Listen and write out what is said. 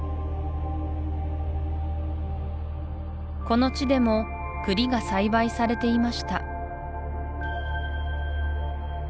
この地でもクリが栽培されていました